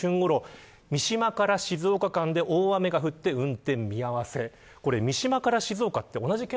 午前８時２８分ごろ三島から静岡間で大雨が降って運転見合わせ。